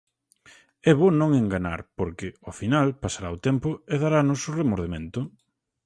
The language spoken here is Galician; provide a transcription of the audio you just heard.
É bo non enganar, porque, ao final, pasará o tempo e daranos o remordemento.